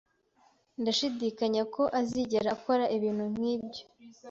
Ndashidikanya ko azigera akora ibintu nkibyo.